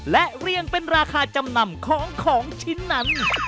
และเรียงเป็นราคาจำนำของของชิ้นนั้น